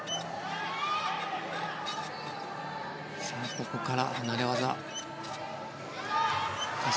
ここから離れ技。